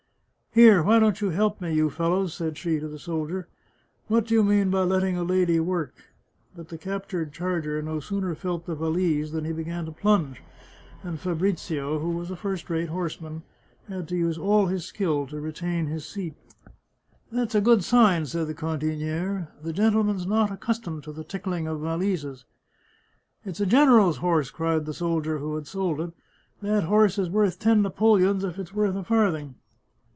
" Here ! why don't you help me, you fellows ?" said she to the soldier. "What do you mean by letting a lady work !" But the captured charger no sooner felt the valise than he began to plunge, and Fabrizio, who was a first rate horse man, had to use all his skill to retam his seat. " That's a 41 The Chartreuse of Parma good sign," said the cantiniere ;" the gentleman's not ac customed to the tickhng of valises !"" It's a general's horse," cried the soldier who had sold it. " That horse is worth ten napoleons if it's worth a farthing."